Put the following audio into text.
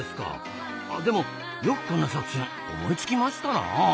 でもよくこんな作戦思いつきましたなあ。